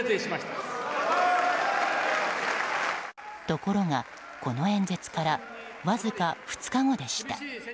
ところがこの演説からわずか２日後でした。